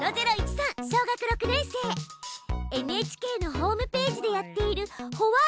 ＮＨＫのホームページでやっている「Ｗｈｙ！？